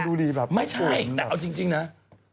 รู้จักเลยเหรอหรือเปล่า